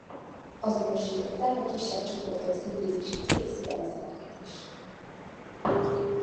Azonosították a kisebb csoportok szintézisét végző enzimeket is.